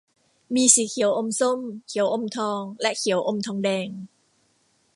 มีสีเขียวอมส้ม เขียวอมทอง และเขียวอมทองแดง